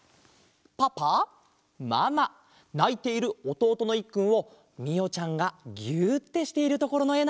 パパママないているおとうとのいっくんをみおちゃんがぎゅってしているところのえ